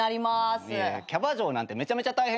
キャバ嬢なんてめちゃめちゃ大変よ。